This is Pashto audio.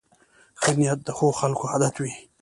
ښه نیت د ښو خلکو عادت وي.